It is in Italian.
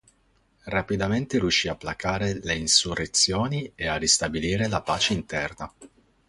Rapidamente riuscì a placare le insurrezioni e a ristabilire la pace interna.